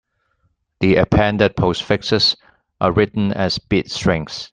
The appended postfixes are written as bit strings.